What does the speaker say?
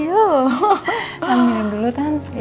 ambilin dulu tante